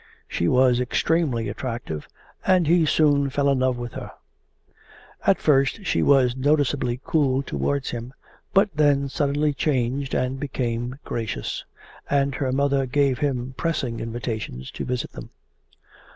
She was extremely attractive and he soon fell in love with her. At first she was noticeably cool towards him, but then suddenly changed and became gracious, and her mother gave him pressing invitations to visit them.